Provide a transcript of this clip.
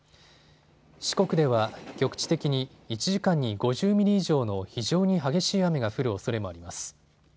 四国では局地的に１時間に５０ミリ以上の非常に激しい雨が降るおそれもあります。